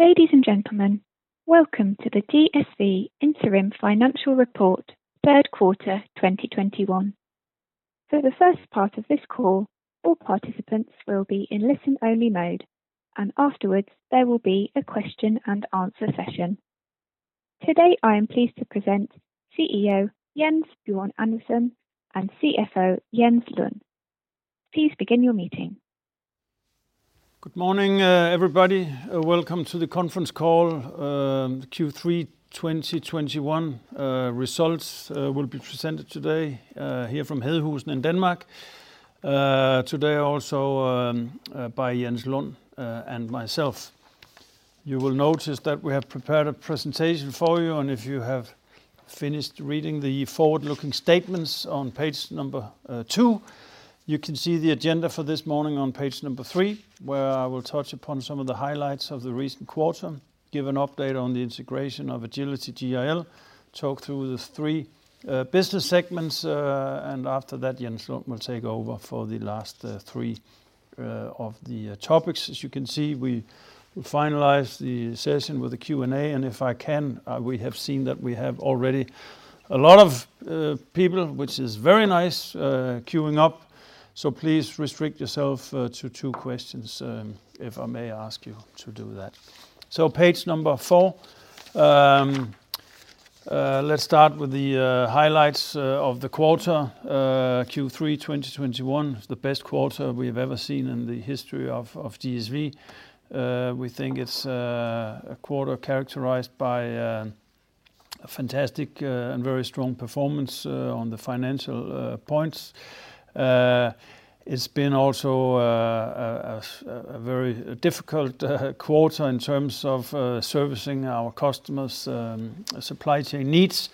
Ladies and gentlemen, welcome to the DSV Interim Financial Report, third quarter 2021. For the first part of this call, all participants will be in listen-only mode, and afterwards there will be a question and answer session. Today, I am pleased to present CEO Jens Bjørn Andersen and CFO Jens Lund. Please begin your meeting. Good morning, everybody. Welcome to the conference call. Q3 2021 results will be presented today here from Hedehusene in Denmark by Jens Lund and myself. You will notice that we have prepared a presentation for you, and if you have finished reading the forward-looking statements on page two, you can see the agenda for this morning on page three, where I will touch upon some of the highlights of the recent quarter, give an update on the integration of Agility GIL, talk through the three business segments, and after that, Jens Lund will take over for the last three of the topics. As you can see, we finalize the session with a Q&A, and if I can, we have seen that we have already a lot of people, which is very nice, queuing up. Please restrict yourself to two questions, if I may ask you to do that. Page number four. Let's start with the highlights of the quarter. Q3 2021 is the best quarter we have ever seen in the history of DSV. We think it's a quarter characterized by a fantastic and very strong performance on the financial points. It's been also a very difficult quarter in terms of servicing our customers' supply chain needs.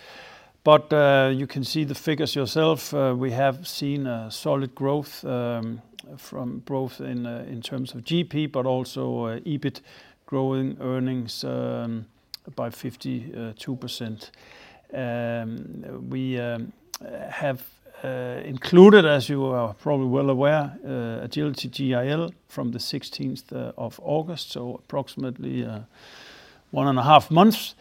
You can see the figures yourself. We have seen a solid growth from growth in terms of GP, but also, EBIT growing earnings by 52%. We have included, as you are probably well aware, Agility GIL from the 16th of August, so approximately one and a half months.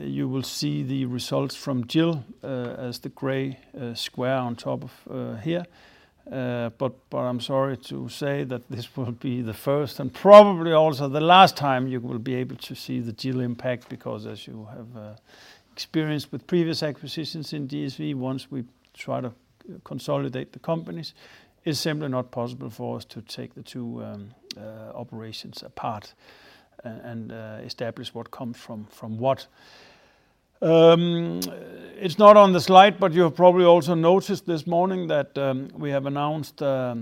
You will see the results from GIL as the gray square on top of here. I'm sorry to say that this will be the first and probably also the last time you will be able to see the GIL impact, because as you have experienced with previous acquisitions in DSV, once we try to consolidate the companies, it's simply not possible for us to take the two operations apart and establish what comes from what. It's not on the slide, but you have probably also noticed this morning that we have announced a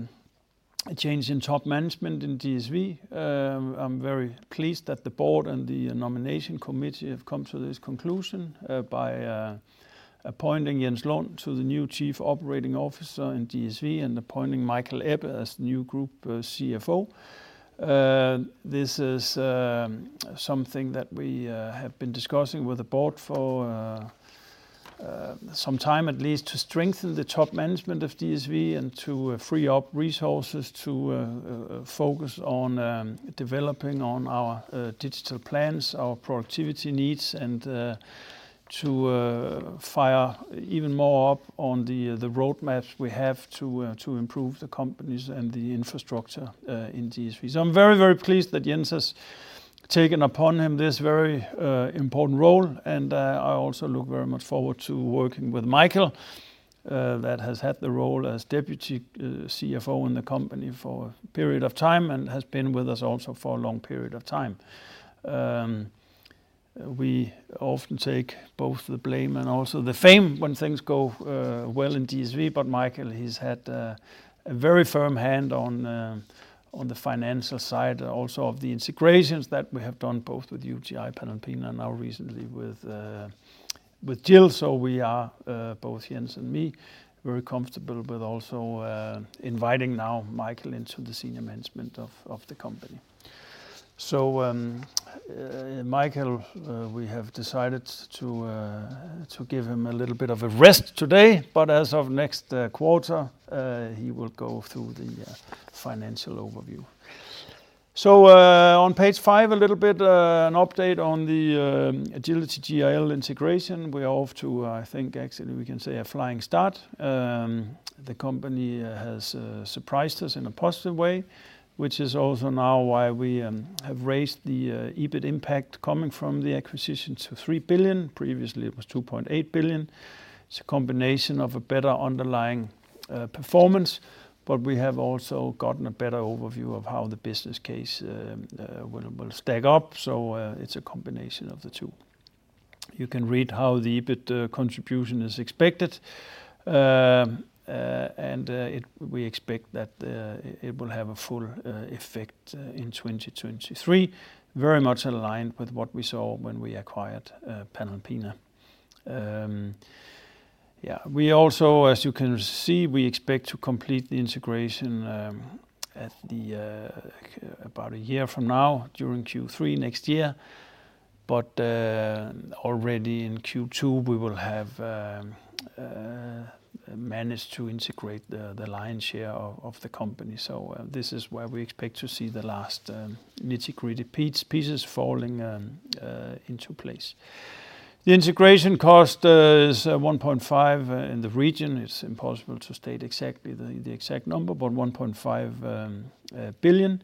change in top management in DSV. I'm very pleased that the board and the nomination committee have come to this conclusion by appointing Jens Lund to the new Chief Operating Officer in DSV and appointing Michael Ebbe as new Group CFO. This is something that we have been discussing with the board for some time at least to strengthen the top management of DSV and to free up resources to focus on developing on our digital plans, our productivity needs, and to fire even more up on the roadmaps we have to improve the companies and the infrastructure in DSV. I'm very, very pleased that Jens has taken upon him this very important role. I also look very much forward to working with Michael that has had the role as Deputy CFO in the company for a period of time and has been with us also for a long period of time. We often take both the blame and also the fame when things go well in DSV. Michael, he's had a very firm hand on the financial side, also of the integrations that we have done both with UTi, Panalpina, now recently with GIL. We are both Jens and me very comfortable with also inviting now Michael into the Senior Management of the company. Michael, we have decided to give him a little bit of a rest today. As of next quarter, he will go through the financial overview. On page five, a little bit an update on the Agility GIL integration. We're off to, I think, actually, we can say a flying start. The company has surprised us in a positive way, which is also now why we have raised the EBIT impact coming from the acquisition to 3 billion. Previously, it was 2.8 billion. It's a combination of a better underlying performance, but we have also gotten a better overview of how the business case will stack up. It's a combination of the two. You can read how the EBIT contribution is expected. We expect that it will have a full effect in 2023, very much aligned with what we saw when we acquired Panalpina. We also, as you can see, we expect to complete the integration at about a year from now during Q3 next year. Already in Q2, we will have managed to integrate the lion's share of the company. This is where we expect to see the last integrated pieces falling into place. The integration cost is 1.5 billion in the region. It's impossible to state exactly the exact number, but 1.5 billion.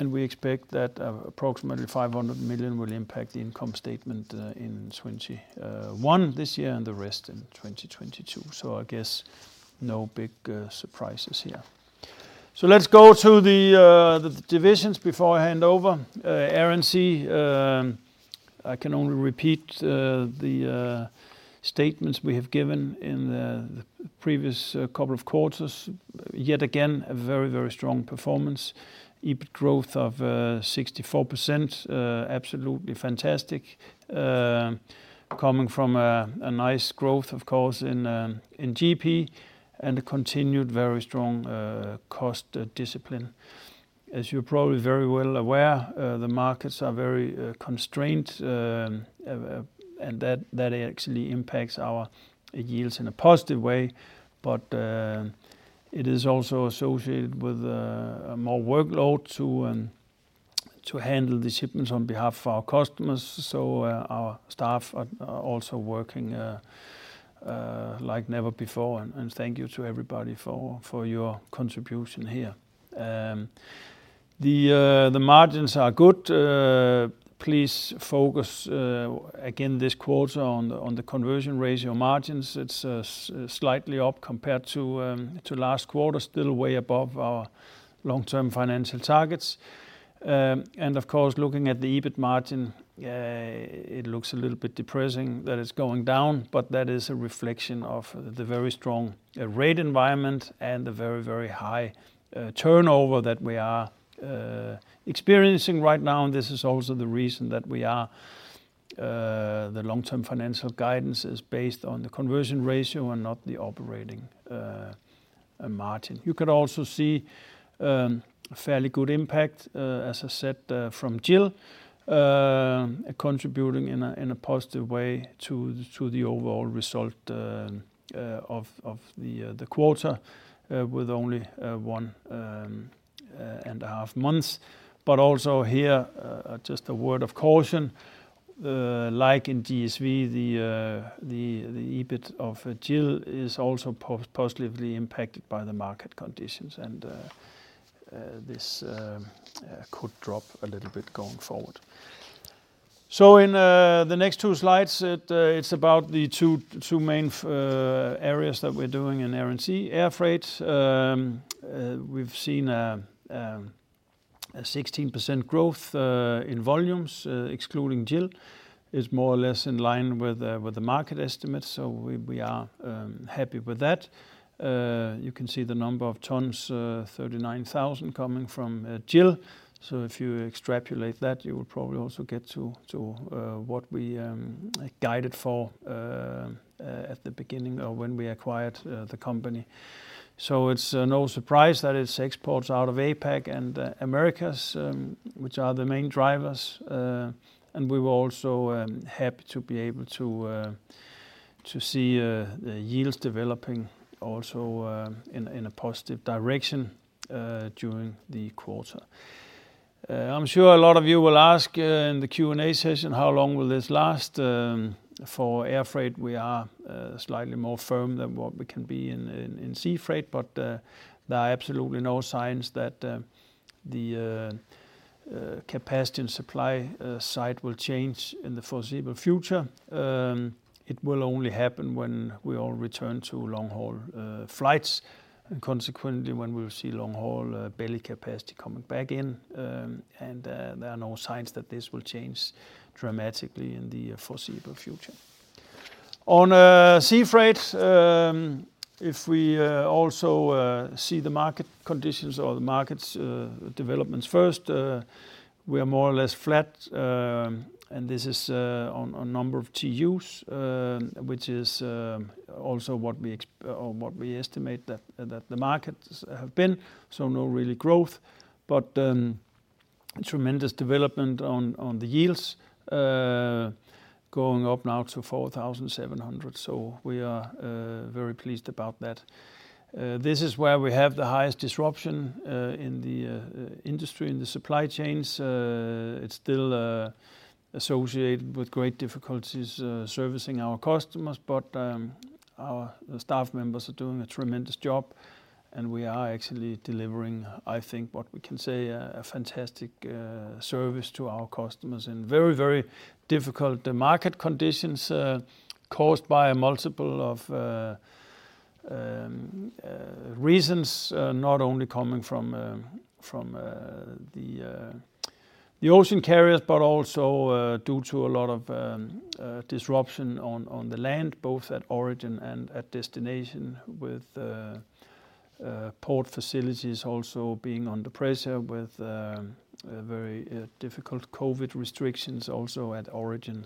We expect that approximately 500 million will impact the income statement in 2021 this year and the rest in 2022. I guess no big surprises here. Let's go to the divisions before I hand over. Air & Sea, I can only repeat the statements we have given in the previous couple of quarters. Yet again, a very strong performance. EBIT growth of 64%, absolutely fantastic. Coming from a nice growth, of course, in GP and a continued very strong cost discipline. As you're probably very well aware, the markets are very constrained and that actually impacts our yields in a positive way. It is also associated with more workload to handle the shipments on behalf of our customers. Our staff are also working like never before. Thank you to everybody for your contribution here. The margins are good. Please focus again this quarter on the conversion ratio margins. It's slightly up compared to last quarter, still way above our long-term financial targets. Of course, looking at the EBIT margin, it looks a little bit depressing that it's going down. That is a reflection of the very strong rate environment and the very, very high turnover that we are experiencing right now. This is also the reason the long-term financial guidance is based on the conversion ratio and not the operating margin. You can also see a fairly good impact, as I said, from GIL contributing in a positive way to the overall result of the quarter with only one and a half months. Also here, just a word of caution. Like in DSV, the EBIT of GIL is also positively impacted by the market conditions. This could drop a little bit going forward. In the next two slides, it's about the two main areas that we're doing in Air & Sea. Air Freight, we've seen a 16% growth in volumes, excluding GIL. It's more or less in line with the market estimates, so we are happy with that. You can see the number of tons, 39,000 coming from GIL. If you extrapolate that, you will probably also get to what we guided for at the beginning of when we acquired the company. It's no surprise that it's exports out of APAC and Americas, which are the main drivers. We were also happy to be able to see the yields developing also in a positive direction during the quarter. I'm sure a lot of you will ask in the Q&A session, how long will this last? For Air Freight, we are slightly more firm than what we can be in Sea Freight, but there are absolutely no signs that the capacity and supply side will change in the foreseeable future. It will only happen when we all return to long-haul flights, and consequently, when we'll see long-haul belly capacity coming back in. There are no signs that this will change dramatically in the foreseeable future. On Sea Freight, if we also see the market conditions or the market's developments first, we are more or less flat. This is on number of TEUs, which is also what we estimate that the markets have been. No real growth, but tremendous development on the yields going up now to 4,700 TEUs. We are very pleased about that. This is where we have the highest disruption in the industry and the supply chains. It's still associated with great difficulties servicing our customers, but our staff members are doing a tremendous job. We are actually delivering, I think, what we can say a fantastic service to our customers in very, very difficult market conditions caused by a multiple of reasons. Not only coming from the ocean carriers, but also due to a lot of disruption on the land, both at origin and at destination with port facilities also being under pressure with a very difficult COVID restrictions also at origin.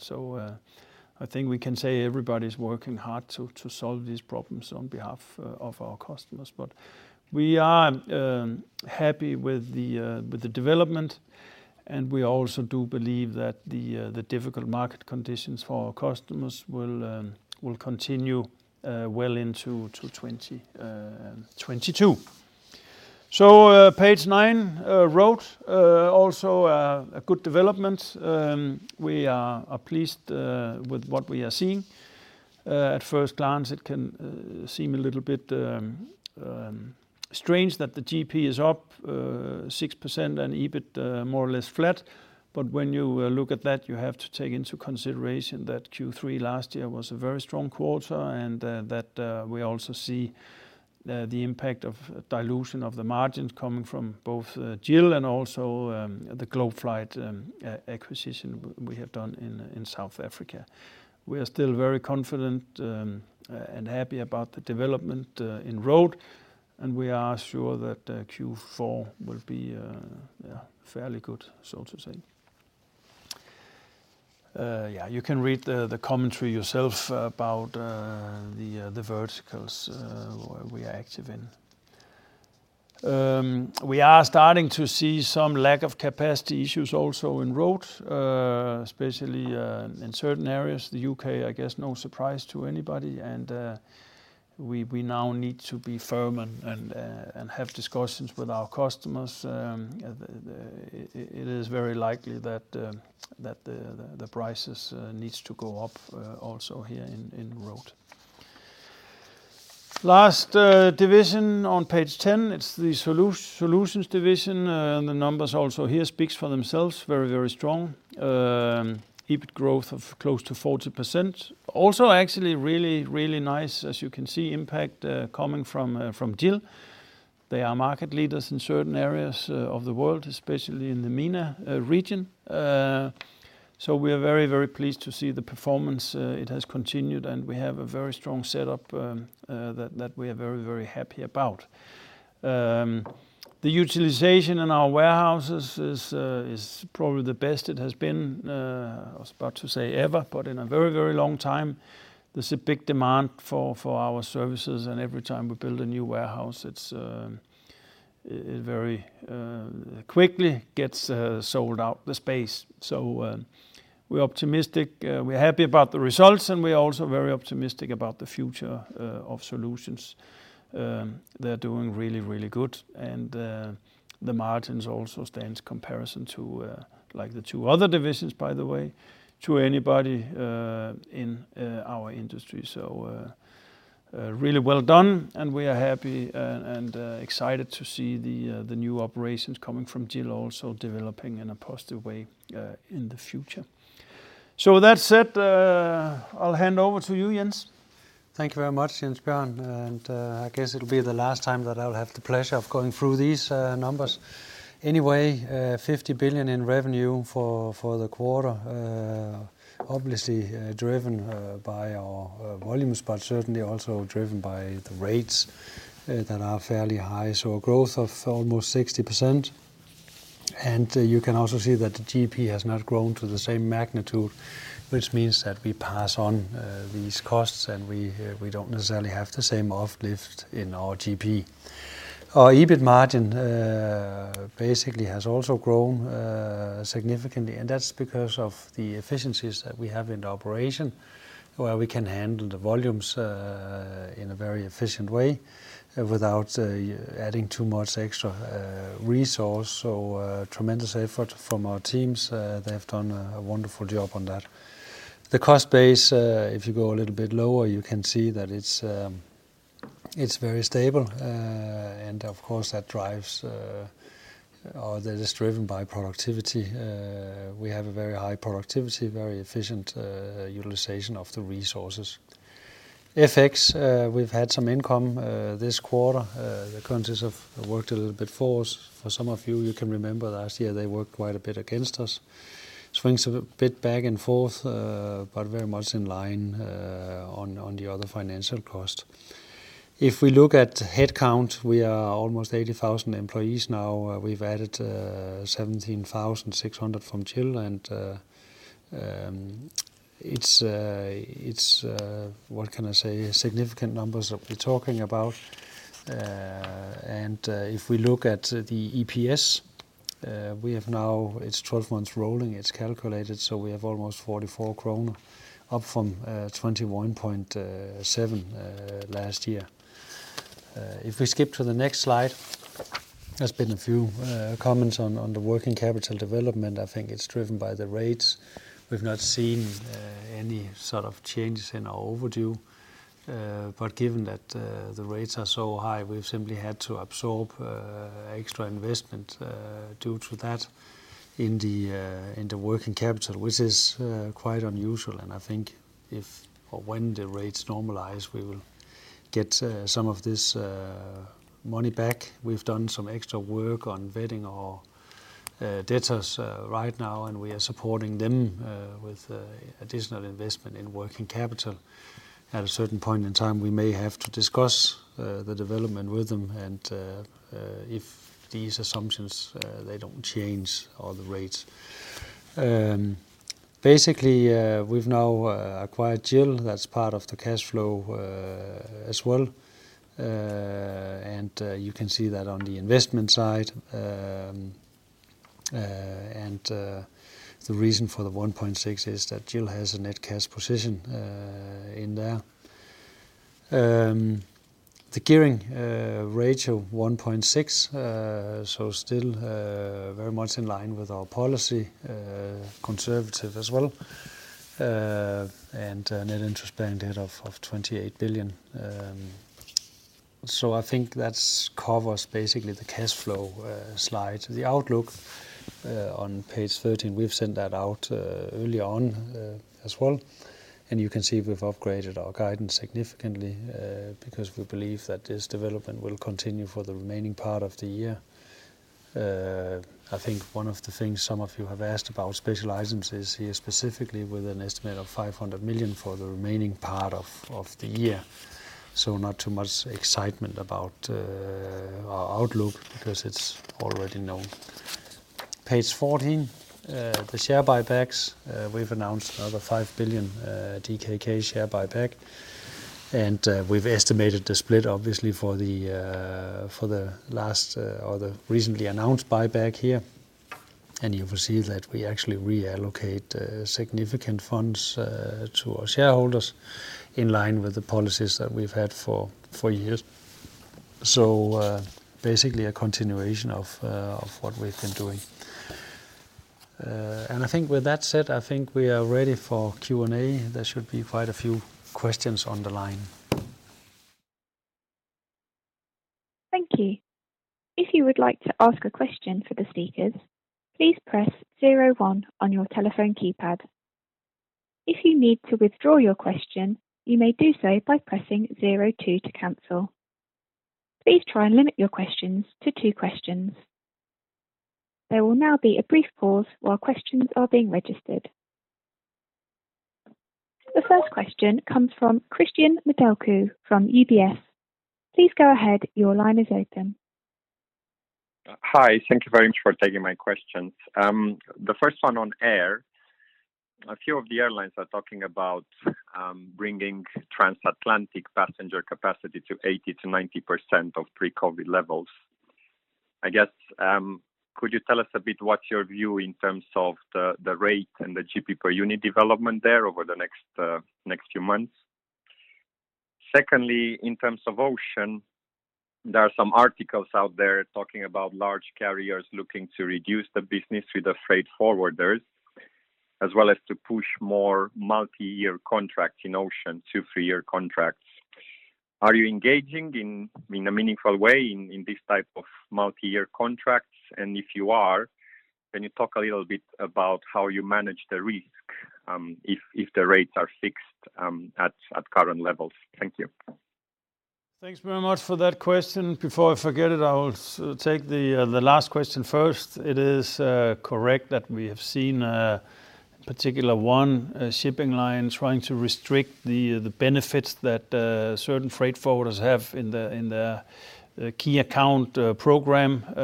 I think we can say everybody's working hard to solve these problems on behalf of our customers. But we are happy with the development, and we also do believe that the difficult market conditions for our customers will continue well into 2022. Page nine, Road also a good development. We are pleased with what we are seeing. At first glance, it can seem a little bit strange that the GP is up 6% and EBIT more or less flat. When you look at that, you have to take into consideration that Q3 last year was a very strong quarter and that we also see the impact of dilution of the margins coming from both GIL and also the Globeflight acquisition we have done in South Africa. We are still very confident and happy about the development in Road, and we are sure that Q4 will be yeah, fairly good, so to say. Yeah, you can read the commentary yourself about the verticals where we are active in. We are starting to see some lack of capacity issues also in Road, especially in certain areas. The U.K., I guess, no surprise to anybody, and we now need to be firm and have discussions with our customers. It is very likely that the prices needs to go up, also here in Road. Last division on page 10, it's the Solutions division. The numbers also here speaks for themselves very, very strong. EBIT growth of close to 40%. Also actually really, really nice as you can see impact coming from GIL. They are market leaders in certain areas of the world, especially in the MENA region. We are very, very pleased to see the performance, it has continued, and we have a very strong setup that we are very, very happy about. The utilization in our warehouses is probably the best it has been. I was about to say ever, but in a very, very long time. There's a big demand for our services, and every time we build a new warehouse, it very quickly gets sold out the space. We're optimistic. We're happy about the results, and we're also very optimistic about the future of Solutions. They're doing really, really good. The margins also stands comparison to like the two other divisions, by the way, to anybody in our industry. really well done, and we are happy and excited to see the new operations coming from GIL also developing in a positive way, in the future. With that said, I'll hand over to you, Jens. Thank you very much, Jens. I guess it'll be the last time that I'll have the pleasure of going through these numbers. Anyway, 50 billion in revenue for the quarter, obviously driven by our volumes, but certainly also driven by the rates that are fairly high. A growth of almost 60%. You can also see that the GP has not grown to the same magnitude, which means that we pass on these costs, and we don't necessarily have the same uplift in our GP. Our EBIT margin basically has also grown significantly, and that's because of the efficiencies that we have in the operation, where we can handle the volumes in a very efficient way without adding too much extra resource. Tremendous effort from our teams. They have done a wonderful job on that. The cost base, if you go a little bit lower, you can see that it's very stable. Of course, that drives, or that is driven by productivity. We have a very high productivity, very efficient utilization of the resources. FX, we've had some income this quarter. The currencies have worked a little bit for us. For some of you can remember last year, they worked quite a bit against us. Swings a bit back and forth, but very much in line on the other financial cost. If we look at headcount, we are almost 80,000 employees now. We've added 17,600 from GIL, and it's what can I say? Significant numbers that we're talking about. If we look at the EPS, we have now. It's 12 months rolling, it's calculated, so we have almost 44 kroner, up from 21.7 last year. If we skip to the next slide, there's been a few comments on the working capital development. I think it's driven by the rates. We've not seen any sort of changes in our overdue. But given that the rates are so high, we've simply had to absorb extra investment due to that in the working capital, which is quite unusual. I think if or when the rates normalize, we will get some of this money back. We've done some extra work on vetting our debtors right now and we are supporting them with additional investment in working capital. At a certain point in time, we may have to discuss the development with them and if these assumptions don't change or the rates. Basically, we've now acquired GIL, that's part of the cash flow as well. You can see that on the investment side. The reason for the 1.6 is that GIL has a net cash position in there. The gearing ratio 1.6, so still very much in line with our policy, conservative as well. Net interest-bearing debt of 28 billion. I think that covers basically the cash flow slide. The outlook on page 13, we've sent that out early on as well. You can see we've upgraded our guidance significantly because we believe that this development will continue for the remaining part of the year. I think one of the things some of you have asked about special items is here, specifically with an estimate of 500 million for the remaining part of the year. Not too much excitement about our outlook because it's already known. Page 14, the share buybacks. We've announced another 5 billion DKK share buyback. We've estimated the split, obviously, for the last or the recently announced buyback here. You will see that we actually reallocate significant funds to our shareholders in line with the policies that we've had for four years. Basically a continuation of what we've been doing. I think with that said, I think we are ready for Q&A. There should be quite a few questions on the line. Thank you. The first question comes from Cristian Nedelcu from UBS. Please go ahead. Your line is open. Hi. Thank you very much for taking my questions. The first one on air. A few of the airlines are talking about bringing transatlantic passenger capacity to 80%-90% of pre-COVID levels. I guess, could you tell us a bit what's your view in terms of the rate and the GP per unit development there over the next few months? Secondly, in terms of ocean, there are some articles out there talking about large carriers looking to reduce the business with the freight forwarders, as well as to push more multi-year contracts in ocean to three-year contracts. Are you engaging in a meaningful way in this type of multi-year contracts? And if you are, can you talk a little bit about how you manage the risk, if the rates are fixed at current levels? Thank you. Thanks very much for that question. Before I forget it, I will take the last question first. It is correct that we have seen a particular one shipping line trying to restrict the benefits that certain freight forwarders have in the key account program. We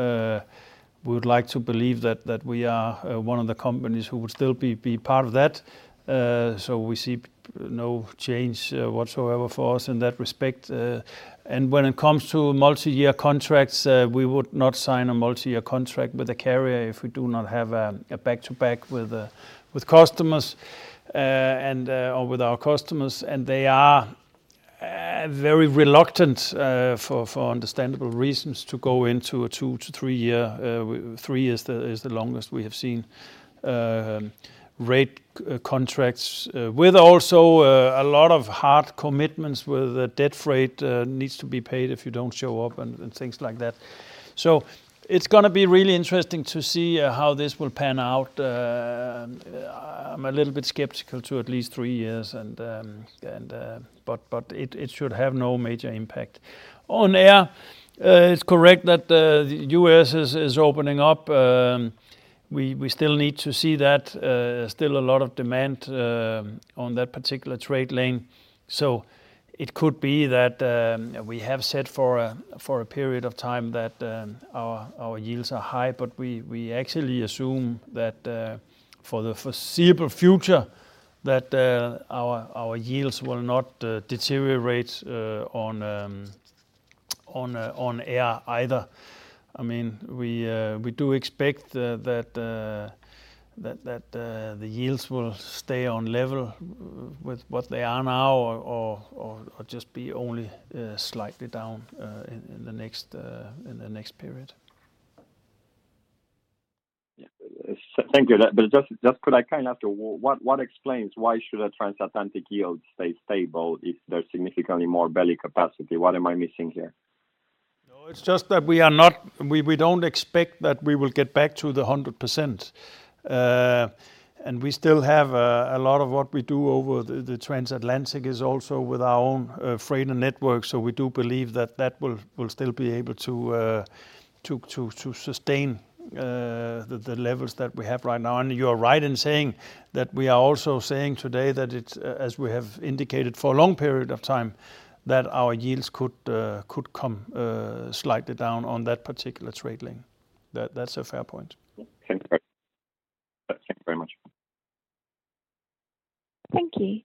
would like to believe that we are one of the companies who would still be part of that. We see no change whatsoever for us in that respect. When it comes to multi-year contracts, we would not sign a multi-year contract with a carrier if we do not have a back-to-back with customers or with our customers. They are very reluctant for understandable reasons to go into a two-three-year, three is the longest we have seen, rate contracts with also a lot of hard commitments with the dead freight needs to be paid if you don't show up and things like that. It's gonna be really interesting to see how this will pan out. I'm a little bit skeptical to at least three years and but it should have no major impact. On Air, it's correct that the U.S. is opening up. We still need to see that still a lot of demand on that particular trade lane. It could be that we have said for a period of time that our yields are high, but we actually assume that for the foreseeable future, our yields will not deteriorate on air either. I mean, we do expect that the yields will stay on level with what they are now or just be only slightly down in the next period. Thank you. Just could I kind of to what explains why should a transatlantic yield stay stable if there's significantly more belly capacity? What am I missing here? No, it's just that we don't expect that we will get back to the 100%. We still have a lot of what we do over the transatlantic is also with our own freighter network. We do believe that will still be able to sustain the levels that we have right now. You are right in saying that we are also saying today that it's as we have indicated for a long period of time, that our yields could come slightly down on that particular trade lane. That's a fair point. Okay. Thank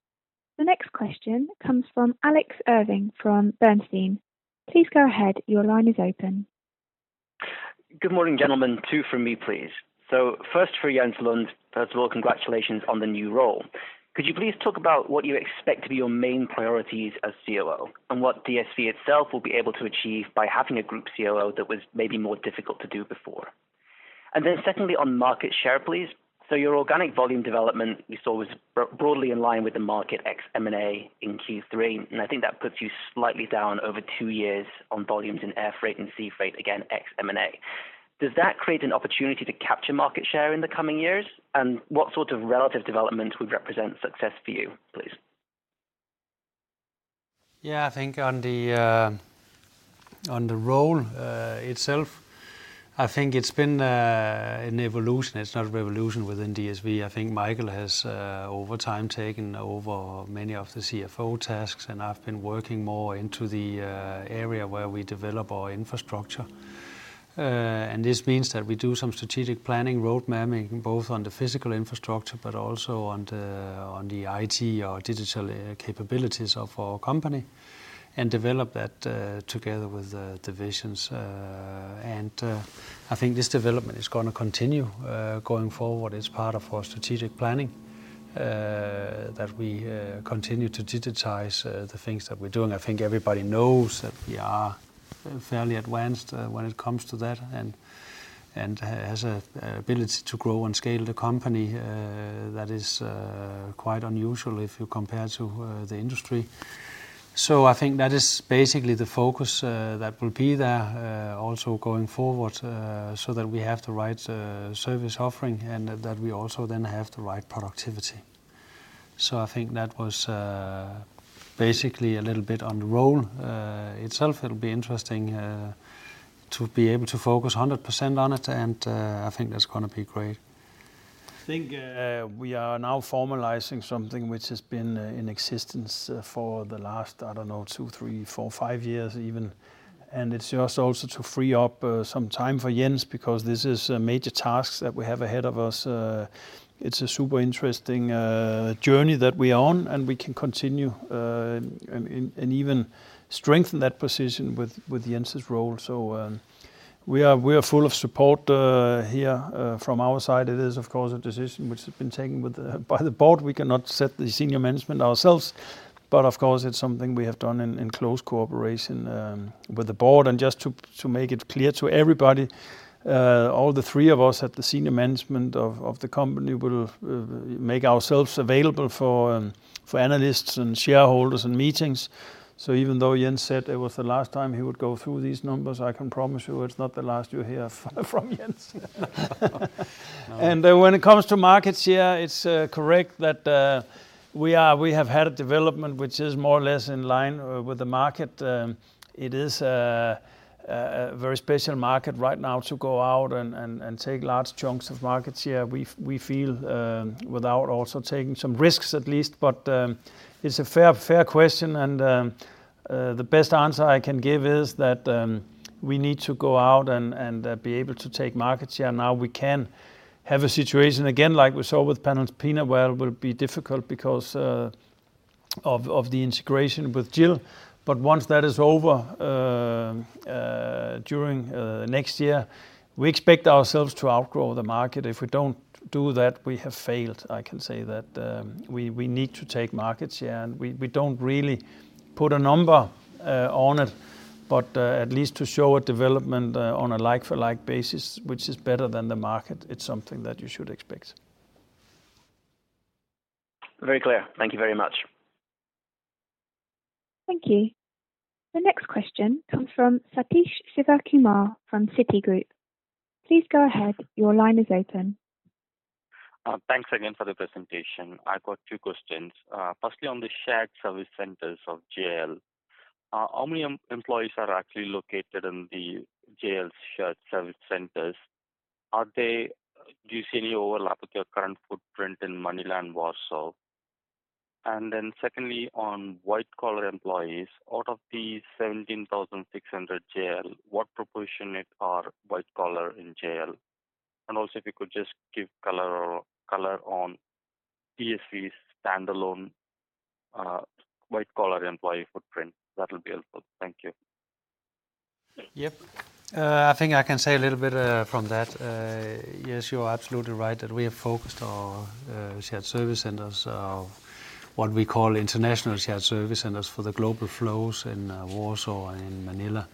you very much. Thank you. The next question comes from Alex Irving from Bernstein. Please go ahead. Your line is open. Good morning, gentlemen. Two from me, please. First for Jens Lund. First of all, congratulations on the new role. Could you please talk about what you expect to be your main priorities as COO and what DSV itself will be able to achieve by having a group COO that was maybe more difficult to do before? Secondly, on market share, please. Your organic volume development you saw was broadly in line with the market ex M&A in Q3, and I think that puts you slightly down over two years on volumes in air freight and sea freight, again, ex M&A. Does that create an opportunity to capture market share in the coming years? What sort of relative development would represent success for you, please? Yeah, I think on the role itself, I think it's been an evolution. It's not a revolution within DSV. I think Michael has over time taken over many of the CFO tasks, and I've been working more into the area where we develop our infrastructure. This means that we do some strategic planning, road mapping, both on the physical infrastructure but also on the IT or digital capabilities of our company, and develop that together with the divisions. I think this development is gonna continue going forward as part of our strategic planning that we continue to digitize the things that we're doing. I think everybody knows that we are fairly advanced when it comes to that and has a ability to grow and scale the company that is quite unusual if you compare to the industry. I think that is basically the focus that will be there also going forward so that we have the right service offering and that we also then have the right productivity. I think that was basically a little bit on the role itself. It'll be interesting to be able to focus 100% on it and I think that's gonna be great. I think we are now formalizing something which has been in existence for the last, I don't know, two, three, four, five years even. It's just also to free up some time for Jens because this is a major task that we have ahead of us. It's a super interesting journey that we are on and we can continue and even strengthen that position with Jens' role. We are full of support here from our side. It is of course a decision which has been taken by the board. We cannot set the senior management ourselves, but of course it's something we have done in close cooperation with the board. Just to make it clear to everybody, all the three of us at the senior management of the company will make ourselves available for analysts and shareholders and meetings. Even though Jens said it was the last time he would go through these numbers, I can promise you it's not the last you hear from Jens. When it comes to market share, it's correct that we have had a development which is more or less in line with the market. It is a very special market right now to go out and take large chunks of market share. We feel without also taking some risks at least. It's a fair question and the best answer I can give is that we need to go out and be able to take market share. Now, we can have a situation again like we saw with Panalpina, where it will be difficult because of the integration with GIL. Once that is over during next year, we expect ourselves to outgrow the market. If we don't do that, we have failed. I can say that we need to take market share and we don't really put a number on it, but at least to show a development on a like for like basis, which is better than the market. It's something that you should expect. Very clear. Thank you very much. Thank you. The next question comes from Sathish Sivakumar from Citigroup. Please go ahead. Your line is open. Thanks again for the presentation. I've got two questions. Firstly, on the shared service centers of GIL. How many employees are actually located in the GIL shared service centers? Do you see any overlap with your current footprint in Manila and Warsaw? Then secondly, on white collar employees. Out of the 17,600 GIL, what proportion are white collar in GIL? Also, if you could just give color on DSV's standalone white collar employee footprint, that'll be helpful. Thank you. Yep. I think I can say a little bit from that. Yes, you are absolutely right that we have focused our shared service centers, what we call international shared service centers for the global flows in Warsaw and Manila.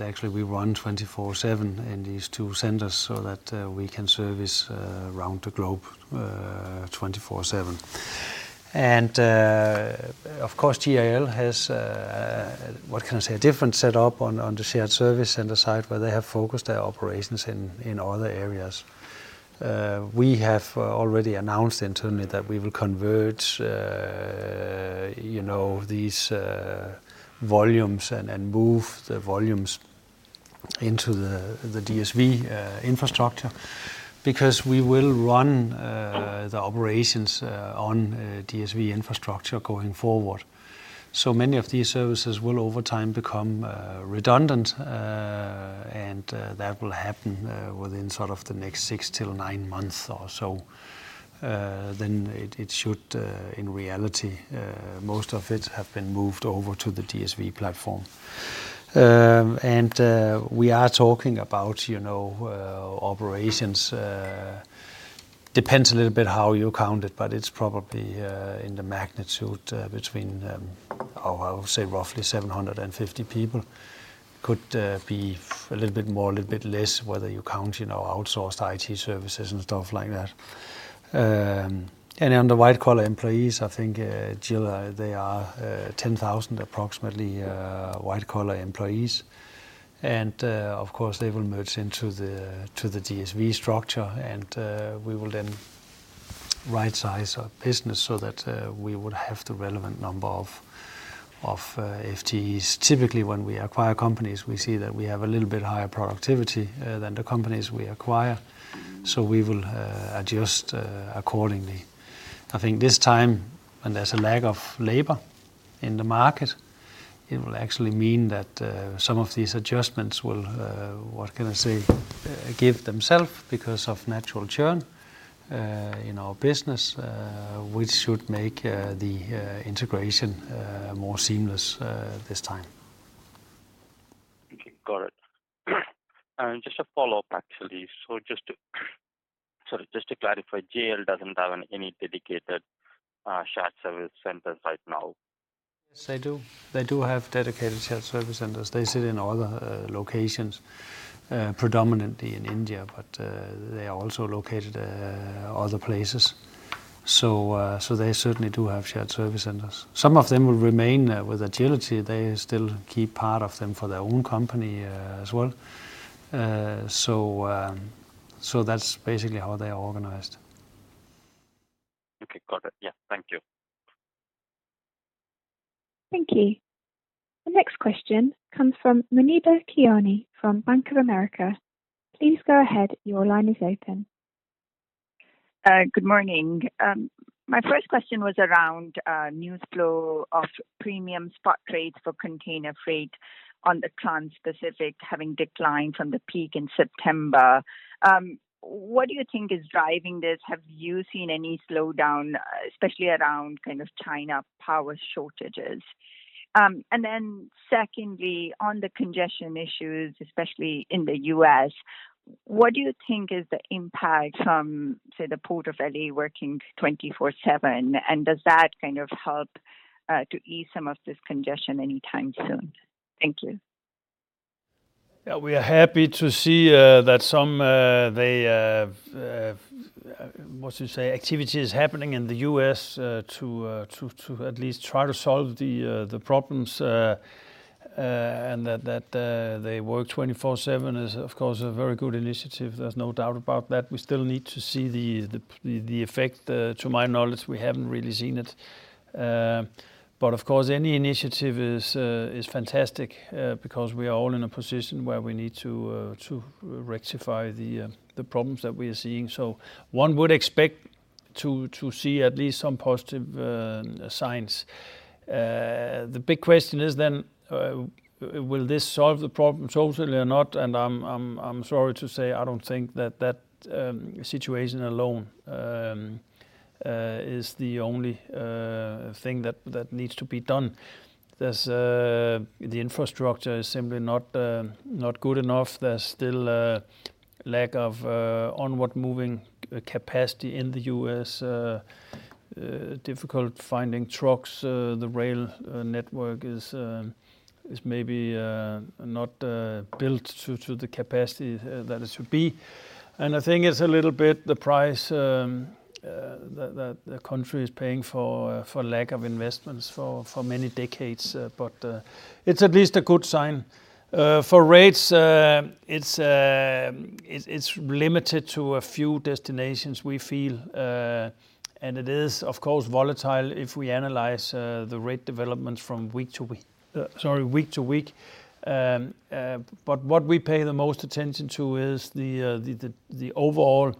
Actually, we run 24/7 in these two centers so that we can service around the globe 24/7. Of course, GIL has what can I say, a different setup on the shared service center side, where they have focused their operations in other areas. We have already announced internally that we will convert you know, these volumes and move the volumes into the DSV infrastructure because we will run the operations on DSV infrastructure going forward. Many of these services will over time become redundant. That will happen within sort of the next six-nine months or so. It should in reality most of it have been moved over to the DSV platform. We are talking about, you know, operations, depends a little bit how you count it, but it's probably in the magnitude between, I would say roughly 750 people. Could be a little bit more, a little bit less, whether you count, you know, outsourced IT services and stuff like that. On the white collar employees, I think, GIL, they are approximately 10,000 white collar employees. Of course, they will merge into the DSV structure. We will then rightsize our business so that we would have the relevant number of FTEs. Typically, when we acquire companies, we see that we have a little bit higher productivity than the companies we acquire, so we will adjust accordingly. I think this time, when there's a lack of labor in the market, it will actually mean that some of these adjustments will, what can I say, give themself because of natural churn in our business, which should make the integration more seamless this time. Okay. Got it. Just a follow-up, actually. Sorry, just to clarify, GIL doesn't have any dedicated shared service centers right now? Yes, they do. They do have dedicated shared service centers. They sit in other locations, predominantly in India, but they are also located in other places. They certainly do have shared service centers. Some of them will remain with Agility. They still keep part of them for their own company, as well. That's basically how they are organized. Okay. Got it. Yeah. Thank you. Thank you. The next question comes from Muneeba Kayani from Bank of America. Please go ahead. Your line is open. Good morning. My first question was around news flow of premium spot rates for container freight on the Trans-Pacific having declined from the peak in September. What do you think is driving this? Have you seen any slowdown, especially around kind of China power shortages? Secondly, on the congestion issues, especially in the U.S., what do you think is the impact from, say, the Port of L.A. working 24/7? Does that kind of help to ease some of this congestion anytime soon? Thank you. We are happy to see that some activity is happening in the U.S. to at least try to solve the problems, and that they work 24/7 is of course a very good initiative. There's no doubt about that. We still need to see the effect. To my knowledge, we haven't really seen it. Of course, any initiative is fantastic because we are all in a position where we need to rectify the problems that we are seeing. One would expect to see at least some positive signs. The big question is then, will this solve the problem totally or not? I'm sorry to say, I don't think that situation alone is the only thing that needs to be done. The infrastructure is simply not good enough. There's still a lack of onward moving capacity in the U.S., difficult finding trucks. The rail network is maybe not built to the capacity that it should be. I think it's a little bit the price that the country is paying for lack of investments for many decades. It's at least a good sign. For rates, it's limited to a few destinations we feel. It is, of course, volatile if we analyze the rate developments from week to week. Sorry, week to week. What we pay the most attention to is the overall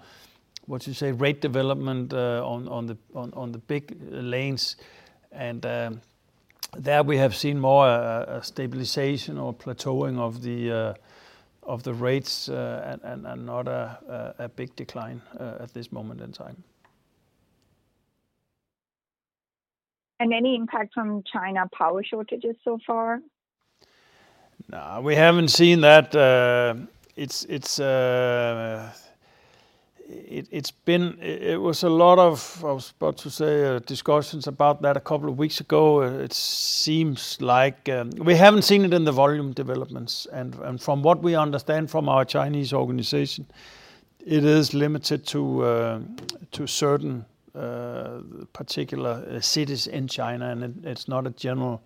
rate development on the big lanes. There we have seen more stabilization or plateauing of the rates and not a big decline at this moment in time. Any impact from China power shortages so far? No, we haven't seen that. It's been a lot of discussions about that a couple of weeks ago. It seems like we haven't seen it in the volume developments. From what we understand from our Chinese organization, it is limited to certain particular cities in China, and it's not a general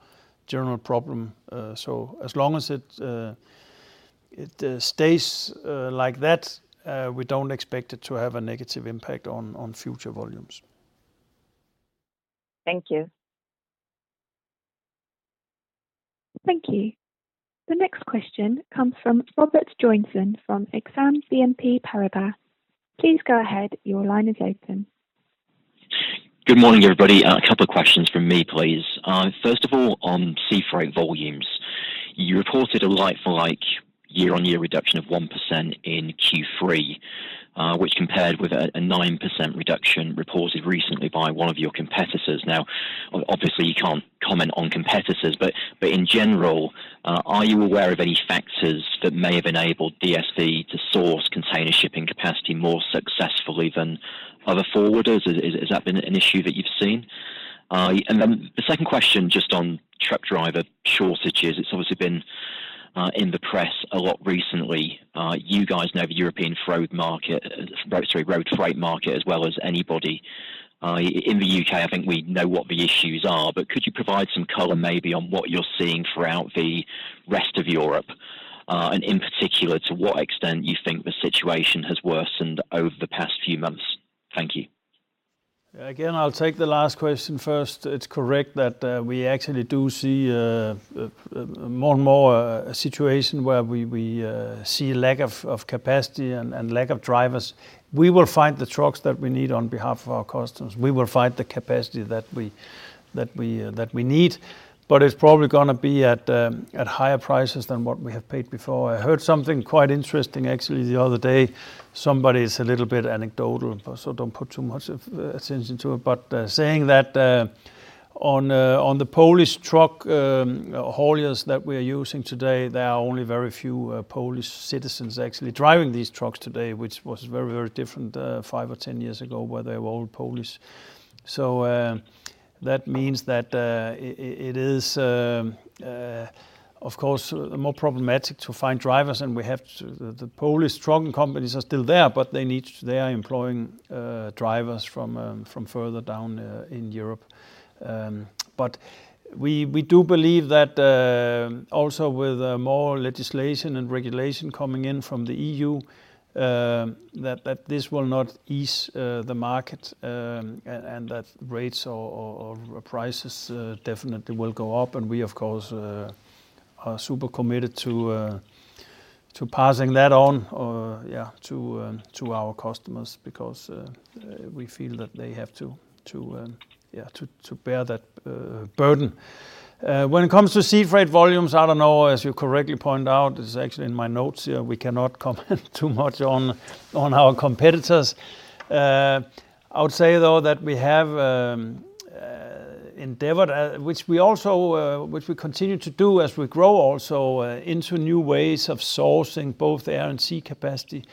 problem. As long as it stays like that, we don't expect it to have a negative impact on future volumes. Thank you. Thank you. The next question comes from Robert Joynson from Exane BNP Paribas. Please go ahead. Your line is open. Good morning, everybody. A couple of questions from me, please. First of all, on sea freight volumes. You reported a like-for-like year-on-year reduction of 1% in Q3, which compared with a 9% reduction reported recently by one of your competitors. Now, obviously, you can't comment on competitors, but in general, are you aware of any factors that may have enabled DSV to source container shipping capacity more successfully than other forwarders? Has that been an issue that you've seen? The second question just on truck driver shortages. It's obviously been in the press a lot recently. You guys know the European road freight market as well as anybody. In the U.K., I think we know what the issues are, but could you provide some color maybe on what you're seeing throughout the rest of Europe, and in particular, to what extent you think the situation has worsened over the past few months? Thank you. Again, I'll take the last question first. It's correct that we actually do see more and more a situation where we see lack of capacity and lack of drivers. We will find the trucks that we need on behalf of our customers. We will find the capacity that we need. But it's probably gonna be at higher prices than what we have paid before. I heard something quite interesting actually the other day. Somebody is a little bit anecdotal, but so don't put too much of attention to it. But saying that on the Polish truck hauliers that we are using today, there are only very few Polish citizens actually driving these trucks today, which was very different five or 10 years ago, where they were all Polish. That means that it is of course more problematic to find drivers, and we have the Polish truck companies are still there, but they are employing drivers from further down in Europe. We do believe that also with more legislation and regulation coming in from the EU, that this will not ease the market, and that rates or prices definitely will go up. We of course are super committed to passing that on to our customers because we feel that they have to bear that burden. When it comes to sea freight volumes, I don't know, as you correctly point out, this is actually in my notes here, we cannot comment too much on our competitors. I would say, though, that we have endeavored, which we continue to do as we grow also into new ways of sourcing both air and sea capacity.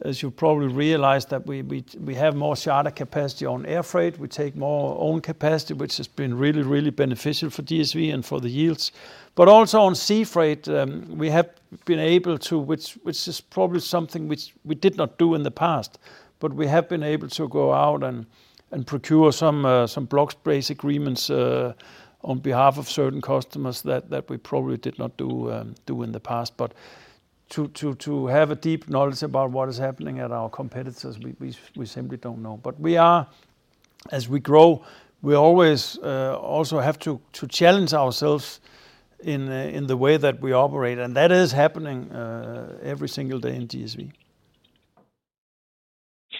As you probably realize, we have more charter capacity on air freight. We take more own capacity, which has been really beneficial for DSV and for the yields. Also on sea freight, we have been able to, which is probably something which we did not do in the past, but we have been able to go out and procure some blocks-based agreements on behalf of certain customers that we probably did not do in the past. To have a deep knowledge about what is happening at our competitors, we simply don't know. As we grow, we always also have to challenge ourselves in the way that we operate, and that is happening every single day in DSV.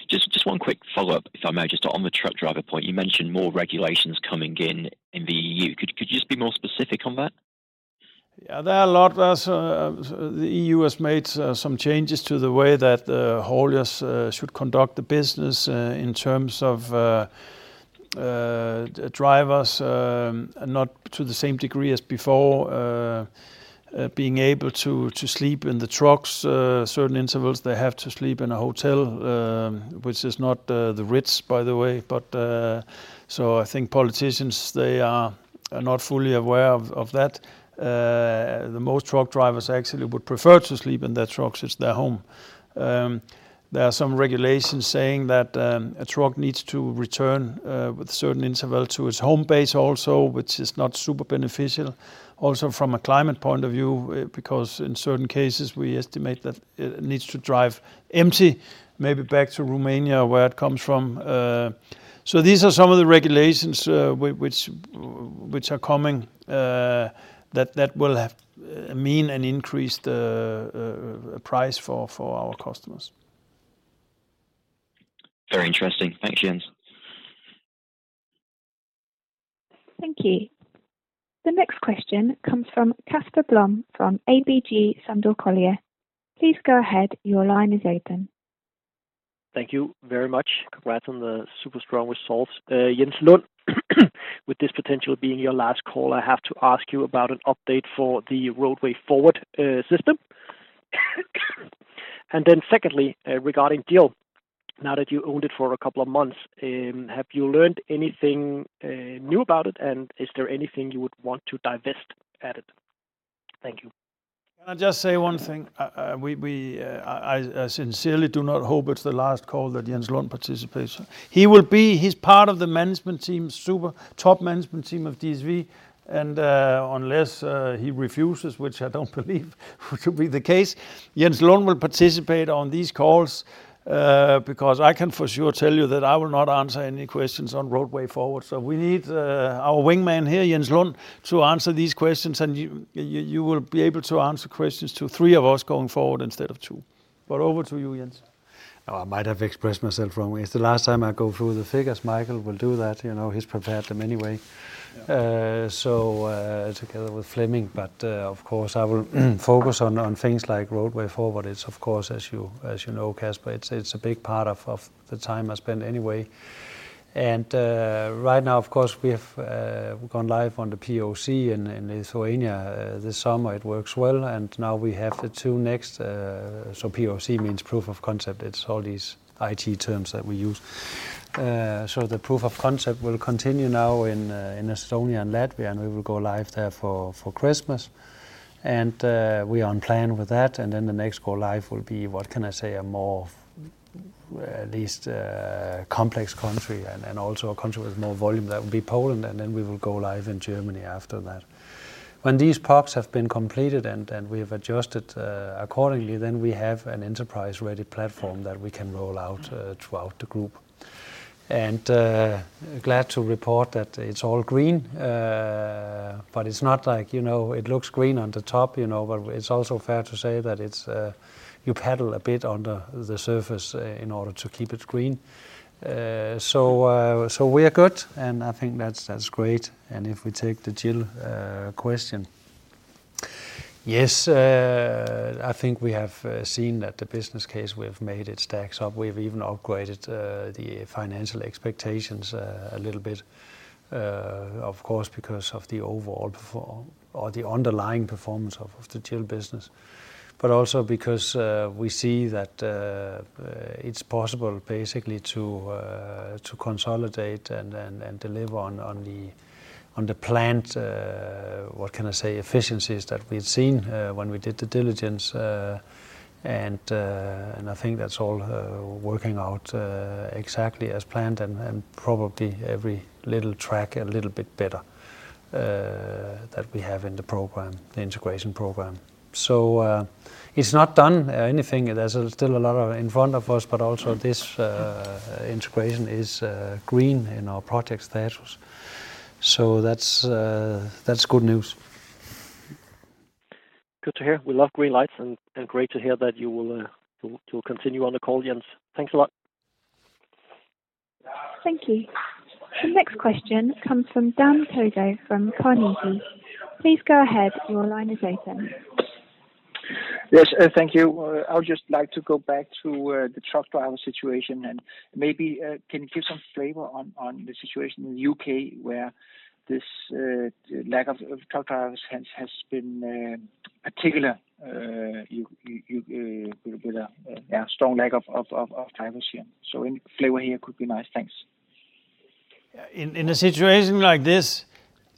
Just one quick follow-up, if I may, just on the truck driver point. You mentioned more regulations coming in in the EU. Could you just be more specific on that? Yeah. There are a lot. The EU has made some changes to the way that the haulers should conduct the business in terms of drivers not to the same degree as before being able to sleep in the trucks. Certain intervals, they have to sleep in a hotel which is not the Ritz, by the way. I think politicians they are not fully aware of that. The most truck drivers actually would prefer to sleep in their trucks. It's their home. There are some regulations saying that a truck needs to return with certain interval to its home base also, which is not super beneficial also from a climate point of view, because in certain cases, we estimate that it needs to drive empty maybe back to Romania, where it comes from. These are some of the regulations, which are coming, that will mean an increased price for our customers. Very interesting. Thank you, Jens. Thank you. The next question comes from Casper Blom from ABG Sundal Collier. Please go ahead. Your line is open. Thank you very much. Congrats on the super strong results. Jens Lund, with this potential being your last call, I have to ask you about an update for the DSV Road system. Then secondly, regarding the deal, now that you owned it for a couple of months, have you learned anything new about it? Is there anything you would want to divest from it? Thank you. Can I just say one thing? I sincerely do not hope it's the last call that Jens Lund participates. He will be. He's part of the management team, super top management team of DSV and, unless he refuses, which I don't believe for to be the case, Jens Lund will participate on these calls, because I can for sure tell you that I will not answer any questions on DSV Road. We need our wingman here, Jens Lund, to answer these questions. You will be able to answer questions to three of us going forward instead of two. Over to you, Jens. Oh, I might have expressed myself wrongly. It's the last time I go through the figures. Michael will do that, you know, he's prepared them anyway. Yeah. Together with Flemming, but of course, I will focus on things like DSV Road. It's of course, as you know, Casper, it's a big part of the time I spend anyway. Right now, of course, we have gone live on the POC in Lithuania this summer. It works well, and now we have the two next, so POC means proof of concept. It's all these IT terms that we use. The proof of concept will continue now in Estonia and Latvia, and we will go live there for Christmas and we are on plan with that. Then the next go live will be, what can I say, a more, at least, complex country and also a country with more volume that will be Poland, and then we will go live in Germany after that. When these parts have been completed and we've adjusted accordingly, then we have an enterprise-ready platform that we can roll out throughout the group. Glad to report that it's all green. But it's not like, you know, it looks green on the top, you know, but it's also fair to say that it's you paddle a bit under the surface in order to keep it green. We are good and I think that's great. If we take the GIL question. Yes, I think we have seen that the business case we have made, it stacks up. We've even upgraded the financial expectations a little bit, of course, because of the overall performance or the underlying performance of the GIL business. Also because we see that it's possible basically to consolidate and deliver on the planned, what can I say, efficiencies that we've seen when we did the diligence. I think that's all working out exactly as planned and probably everything's tracking a little bit better than we have in the program, the integration program. It's not done anything. There's still a lot in front of us, but also this integration is green in our project status, so that's good news. Good to hear. We love green lights and great to hear that you will continue on the call, Jens. Thanks a lot. Thank you. The next question comes from Dan Togo from Carnegie. Please go ahead. Your line is open. Yes. Thank you. I would just like to go back to the truck driver situation and maybe can you give some flavor on the situation in the U.K. where this lack of truck drivers has been particularly with a strong lack of drivers here. Any flavor here could be nice. Thanks. Yeah. In a situation like this,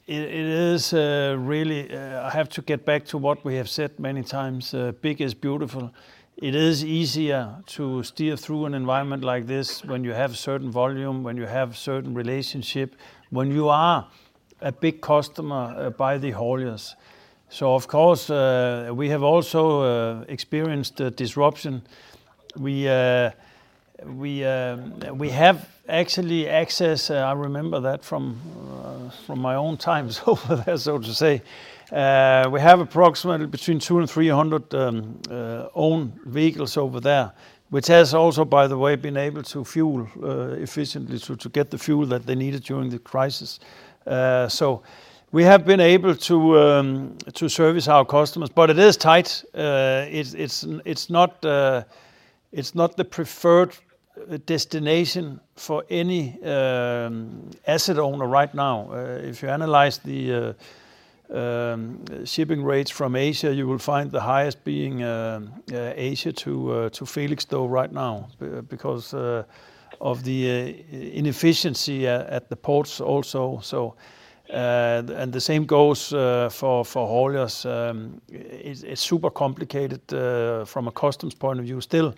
it is really I have to get back to what we have said many times, big is beautiful. It is easier to steer through an environment like this when you have certain volume, when you have certain relationship, when you are a big customer by the hauliers. Of course, we have also experienced disruption. We actually have access. I remember that from my own time over there, so to say. We have approximately between 200 and 300 owned vehicles over there, which has also, by the way, been able to fuel efficiently to get the fuel that they needed during the crisis. We have been able to service our customers, but it is tight. It's not the preferred destination for any asset owner right now. If you analyze the shipping rates from Asia, you will find the highest being Asia to Felixstowe right now because of the inefficiency at the ports also. The same goes for haulers. It's super complicated from a customs point of view. Still,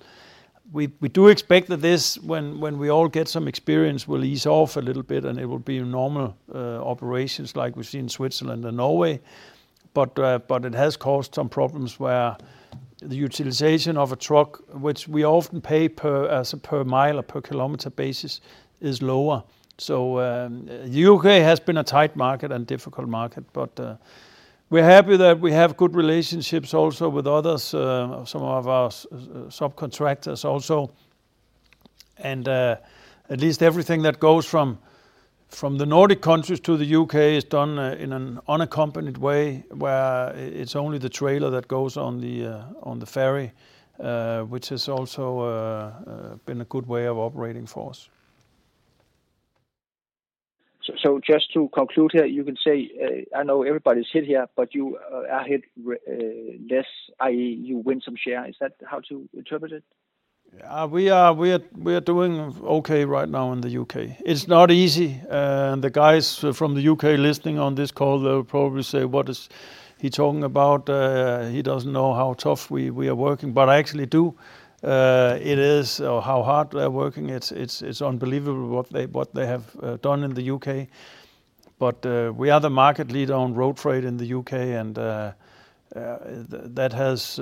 we do expect that this, when we all get some experience, will ease off a little bit and it will be normal operations like we see in Switzerland and Norway. It has caused some problems where the utilization of a truck, which we often pay as per mile or per kilometer basis, is lower. U.K. has been a tight market and difficult market, but we're happy that we have good relationships also with others, some of our subcontractors also. At least everything that goes from the Nordic countries to the U.K. is done in an unaccompanied way, where it's only the trailer that goes on the ferry, which has also been a good way of operating for us. Just to conclude here, you can say, I know everybody's hit here, but you are hit less, i.e. you win some share. Is that how to interpret it? We are doing okay right now in the U.K. It's not easy. The guys from the U.K. listening on this call, they'll probably say, "What is he talking about? He doesn't know how tough we are working." I actually do. It is unbelievable how hard they are working, what they have done in the U.K. We are the market leader on road freight in the U.K. and that has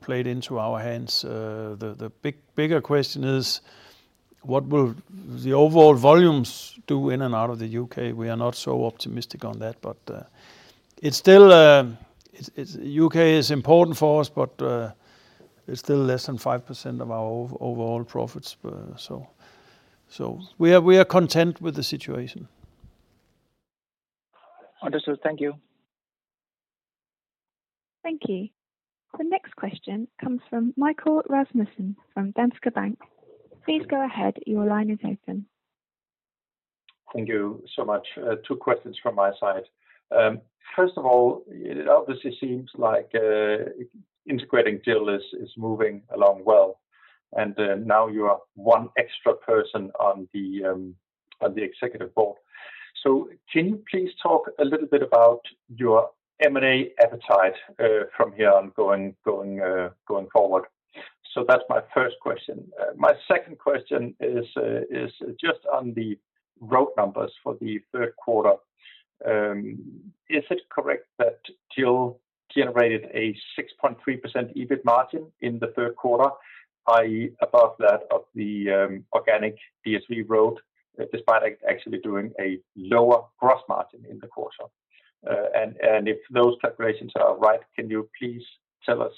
played into our hands. The bigger question is what will the overall volumes do in and out of the U.K.? We are not so optimistic on that. It's still U.K. is important for us. It's still less than 5% of our overall profits. We are content with the situation. Understood. Thank you. Thank you. The next question comes from Michael Rasmussen from Danske Bank. Please go ahead. Your line is open. Thank you so much. Two questions from my side. First of all, it obviously seems like integrating GIL is moving along well, and now you are one extra person on the executive board. Can you please talk a little bit about your M&A appetite from here on going forward? That's my first question. My second question is just on the Road numbers for the third quarter. Is it correct that GIL generated a 6.3% EBIT margin in the third quarter, i.e., above that of the organic DSV Road, despite actually doing a lower gross margin in the quarter? And if those calculations are right, can you please tell us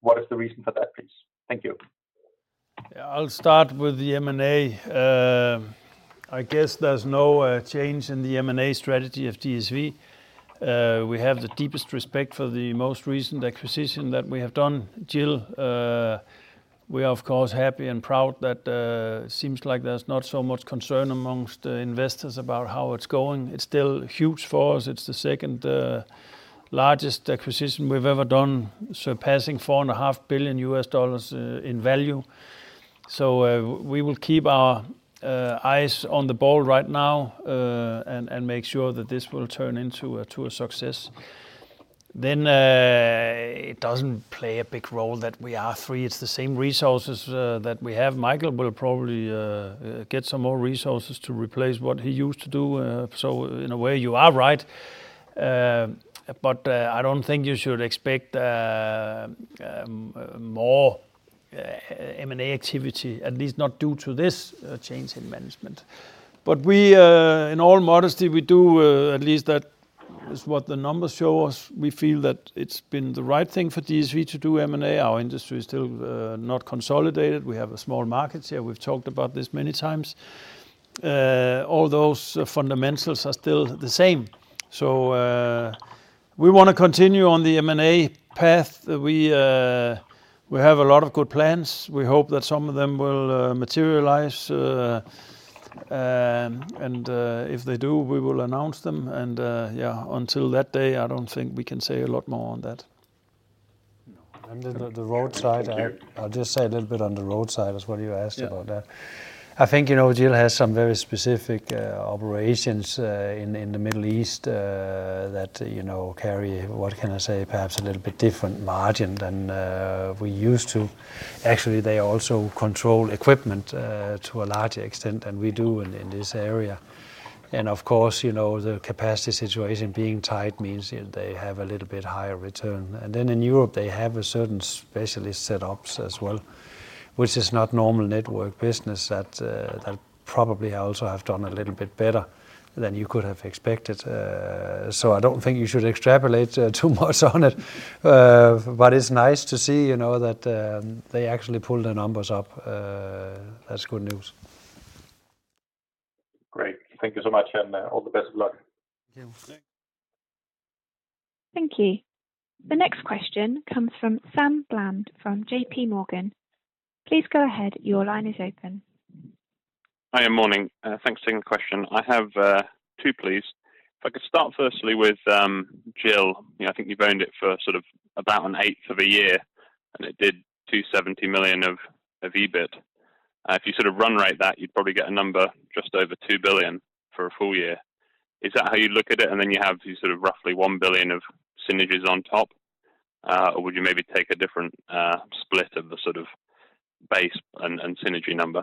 what is the reason for that, please? Thank you. Yeah, I'll start with the M&A. I guess there's no change in the M&A strategy of DSV. We have the deepest respect for the most recent acquisition that we have done, GIL. We are, of course, happy and proud that seems like there's not so much concern amongst investors about how it's going. It's still huge for us. It's the second largest acquisition we've ever done, surpassing $4.5 billion in value. We will keep our eyes on the ball right now and make sure that this will turn into a success. It doesn't play a big role that we are three. It's the same resources that we have. Michael will probably get some more resources to replace what he used to do. In a way, you are right. I don't think you should expect more M&A activity, at least not due to this change in management. In all modesty, we do, at least that is what the numbers show us, we feel that it's been the right thing for DSV to do M&A. Our industry is still not consolidated. We have small markets here. We've talked about this many times. All those fundamentals are still the same. We wanna continue on the M&A path. We have a lot of good plans. We hope that some of them will materialize. If they do, we will announce them. Until that day, I don't think we can say a lot more on that. On the Road side. Thank you. I'll just say a little bit on the Road side as well, you asked about that. Yeah. I think, you know, GIL has some very specific operations in the Middle East that, you know, carry, what can I say, perhaps a little bit different margin than we're used to. Actually, they also control equipment to a larger extent than we do in this area. Of course, you know, the capacity situation being tight means they have a little bit higher return. In Europe, they have certain specialist set ups as well, which is not normal network business that probably also have done a little bit better than you could have expected. I don't think you should extrapolate too much on it. It's nice to see, you know, that they actually pulled the numbers up. That's good news. Great. Thank you so much, and all the best of luck. Thank you. Thanks. The next question comes from Sam Bland from JPMorgan. Please go ahead. Your line is open. Hi. Morning. Thanks for taking the question. I have two, please. If I could start firstly with GIL. You know, I think you've owned it for sort of about an eighth of a year, and it did 270 million of EBIT. If you sort of run rate that, you'd probably get a number just over 2 billion for a full year. Is that how you look at it, and then you have the sort of roughly 1 billion of synergies on top? Or would you maybe take a different split of the sort of base and synergy number?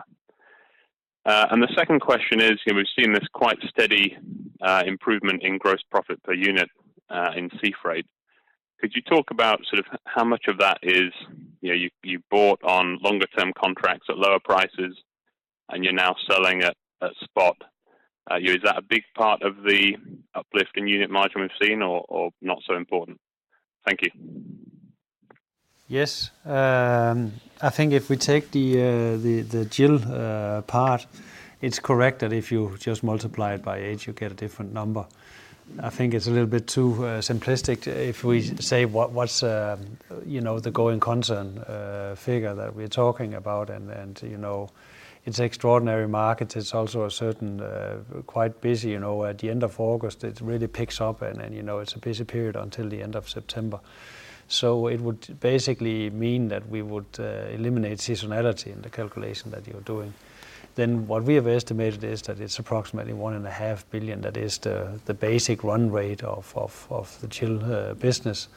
And the second question is, you know, we've seen this quite steady improvement in gross profit per unit in sea freight. Could you talk about sort of how much of that is, you know, you've bought on longer term contracts at lower prices and you're now selling at spot? You know, is that a big part of the uplift in unit margin we've seen or not so important? Thank you. Yes. I think if we take the GIL part, it's correct that if you just multiply it by eight you get a different number. I think it's a little bit too simplistic if we say, you know, the going concern figure that we're talking about and, you know, it's extraordinary market. It's also certainly quite busy, you know, at the end of August, it really picks up and, you know, it's a busy period until the end of September. It would basically mean that we would eliminate seasonality in the calculation that you're doing. What we have estimated is that it's approximately 1.5 billion, that is the basic run rate of the GIL business.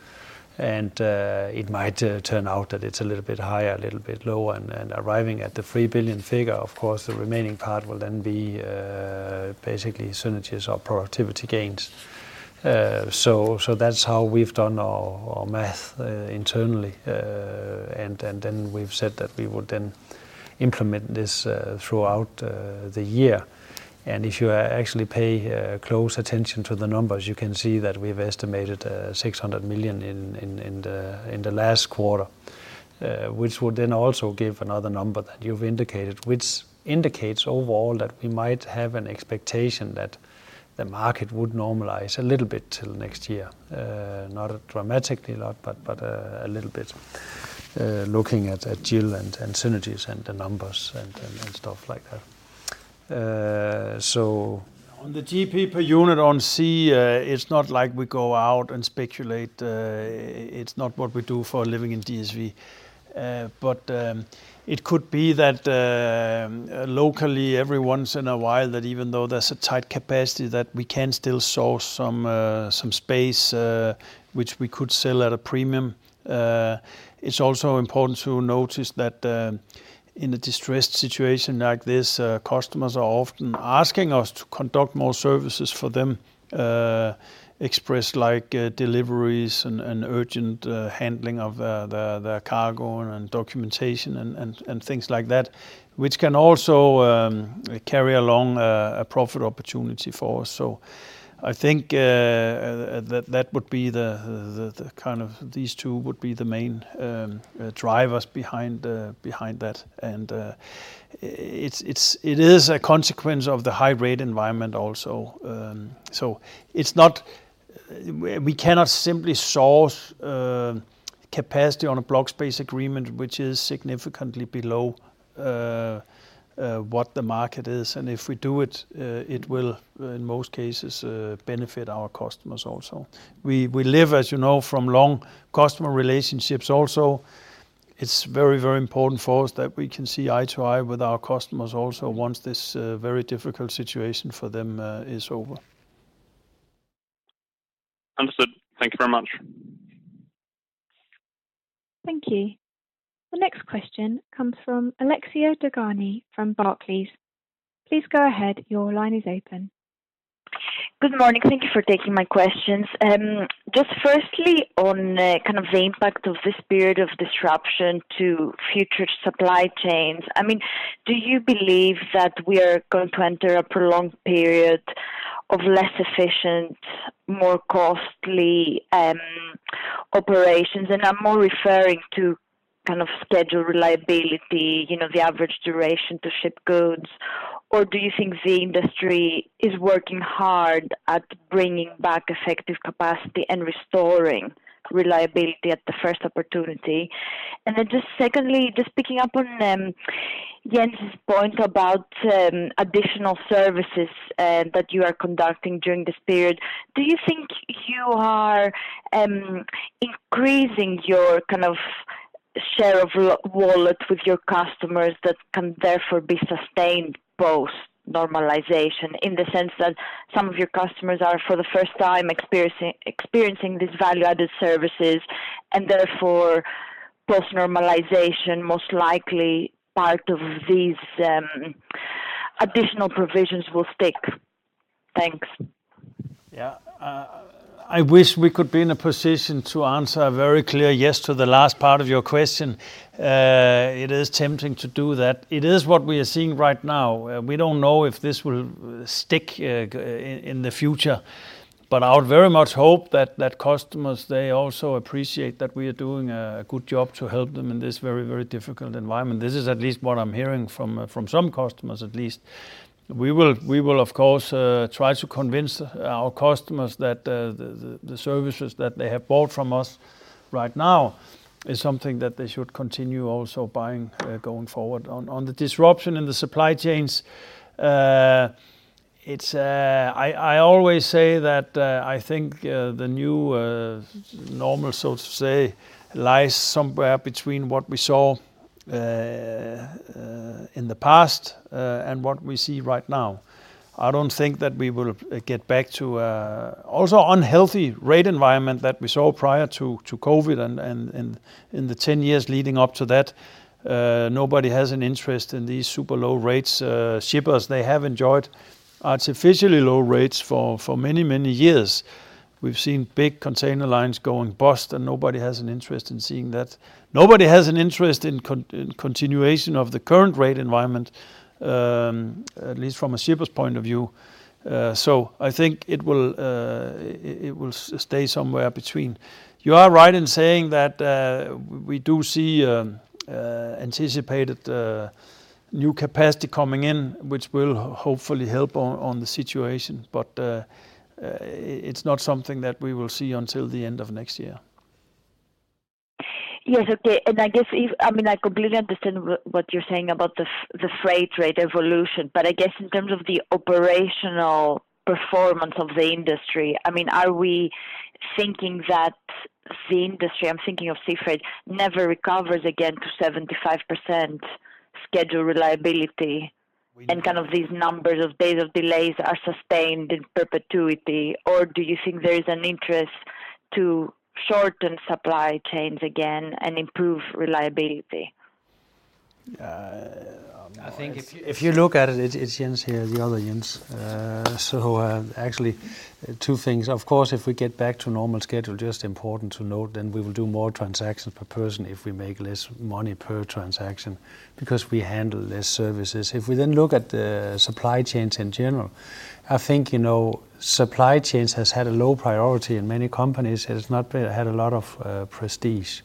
It might turn out that it's a little bit higher, a little bit lower. Arriving at the 3 billion figure, of course, the remaining part will then be basically synergies or productivity gains. That's how we've done our math internally. We've said that we would then implement this throughout the year. If you actually pay close attention to the numbers, you can see that we've estimated 600 million in the last quarter, which would then also give another number that you've indicated, which indicates overall that we might have an expectation that the market would normalize a little bit till next year. Not a dramatically lot, but a little bit looking at GIL and synergies and the numbers and stuff like that. On the GP per unit on Sea, it's not like we go out and speculate. It's not what we do for a living in DSV. It could be that locally every once in a while that even though there's a tight capacity, that we can still source some space, which we could sell at a premium. It's also important to notice that, in a distressed situation like this, customers are often asking us to conduct more services for them, express like deliveries and urgent handling of their cargo and documentation and things like that, which can also carry along a profit opportunity for us. I think these two would be the main drivers behind that. It is a consequence of the high rate environment also. We cannot simply source capacity on a block space agreement, which is significantly below what the market is. If we do it will, in most cases, benefit our customers also. We live, as you know, from long customer relationships also. It's very important for us that we can see eye to eye with our customers also once this very difficult situation for them is over. Understood. Thank you very much. Thank you. The next question comes from Alexia Dogani from Barclays. Please go ahead. Your line is open. Good morning. Thank you for taking my questions. Just firstly on, kind of the impact of this period of disruption to future supply chains. I mean, do you believe that we are going to enter a prolonged period of less efficient, more costly, operations? I'm more referring to kind of schedule reliability, you know, the average duration to ship goods, or do you think the industry is working hard at bringing back effective capacity and restoring reliability at the first opportunity? Just secondly, just picking up on, Jens's point about, additional services, that you are conducting during this period. Do you think you are increasing your kind of share of wallet with your customers that can therefore be sustained post-normalization in the sense that some of your customers are for the first time experiencing these value-added services, and therefore post-normalization, most likely part of these additional provisions will stick? Thanks. I wish we could be in a position to answer a very clear yes to the last part of your question. It is tempting to do that. It is what we are seeing right now. We don't know if this will stick in the future, but I would very much hope that customers, they also appreciate that we are doing a good job to help them in this very, very difficult environment. This is at least what I'm hearing from some customers at least. We will of course try to convince our customers that the services that they have bought from us right now is something that they should continue also buying going forward. On the disruption in the supply chains, it's I always say that I think the new normal, so to say, lies somewhere between what we saw in the past and what we see right now. I don't think that we will get back to also unhealthy rate environment that we saw prior to COVID and in the 10 years leading up to that. Nobody has an interest in these super low rates. Shippers, they have enjoyed artificially low rates for many years. We've seen big container lines going bust, and nobody has an interest in seeing that. Nobody has an interest in continuation of the current rate environment, at least from a shipper's point of view. I think it will stay somewhere between. You are right in saying that we do see anticipated new capacity coming in which will hopefully help on the situation. It's not something that we will see until the end of next year. Yes. Okay. I guess I mean, I completely understand what you're saying about the freight rate evolution, but I guess in terms of the operational performance of the industry, I mean, are we thinking that the industry, I'm thinking of sea freight, never recovers again to 75% schedule reliability? We- Kind of these numbers of days of delays are sustained in perpetuity or do you think there is an interest to shorten supply chains again and improve reliability? Uh, I think if- If you look at it's Jens here, the other Jens. So, actually two things. Of course, if we get back to normal schedule, just important to note then we will do more transactions per person if we make less money per transaction because we handle less services. If we then look at the supply chains in general, I think supply chains has had a low priority and many companies has not had a lot of prestige.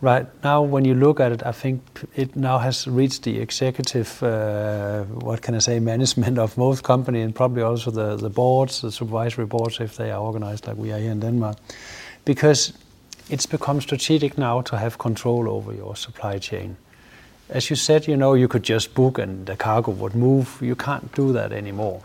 Right now, when you look at it, I think it now has reached the executive, what can I say, management of most company and probably also the boards, the supervisory boards if they are organized like we are here in Denmark, because it's become strategic now to have control over your supply chain. As you said, you know, you could just book and the cargo would move. You can't do that anymore.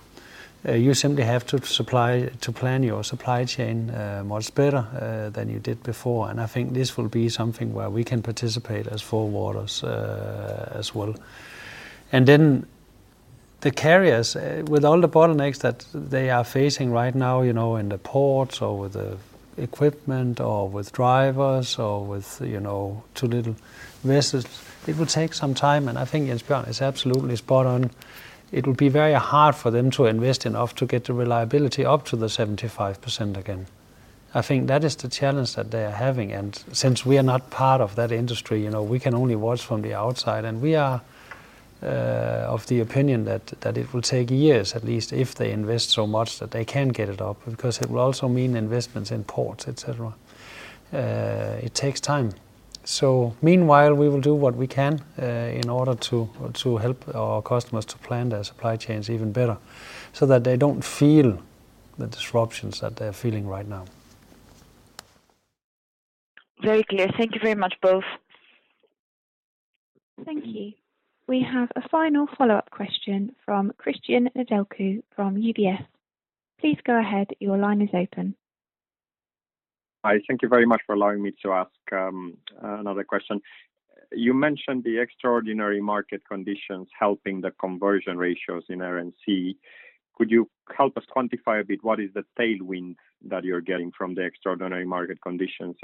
You simply have to plan your supply chain much better than you did before, and I think this will be something where we can participate as forwarders as well. Then the carriers with all the bottlenecks that they are facing right now, you know, in the ports or with the equipment or with drivers or with, you know, too little vessels, it will take some time, and I think Jens Bjørn is absolutely spot on. It will be very hard for them to invest enough to get the reliability up to 75% again. I think that is the challenge that they are having. Since we are not part of that industry, you know, we can only watch from the outside. We are of the opinion that it will take years at least if they invest so much that they can get it up because it will also mean investments in ports, et cetera. It takes time. Meanwhile, we will do what we can in order to help our customers to plan their supply chains even better so that they don't feel the disruptions that they're feeling right now. Very clear. Thank you very much, both. Thank you. We have a final follow-up question from Cristian Nedelcu from UBS. Please go ahead. Your line is open. Hi. Thank you very much for allowing me to ask another question. You mentioned the extraordinary market conditions helping the conversion ratios in Air & Sea. Could you help us quantify a bit what is the tailwind that you're getting from the extraordinary market conditions?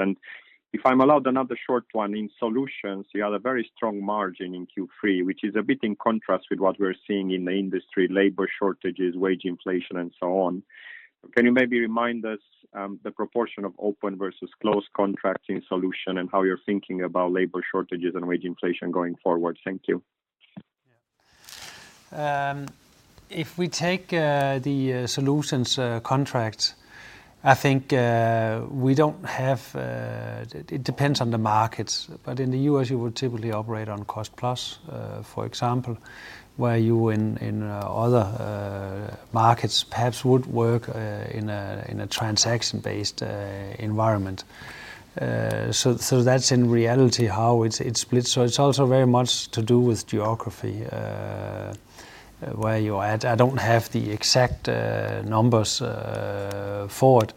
If I'm allowed another short one, in Solutions, you had a very strong margin in Q3, which is a bit in contrast with what we're seeing in the industry, labor shortages, wage inflation, and so on. Can you maybe remind us the proportion of open versus closed contracts in Solutions and how you're thinking about labor shortages and wage inflation going forward? Thank you. If we take the Solutions contract, I think we don't have... It depends on the markets. In the U.S., you would typically operate on cost plus, for example, where in other markets perhaps would work in a transaction-based environment. That's in reality how it splits. It's also very much to do with geography where you're at. I don't have the exact numbers for it.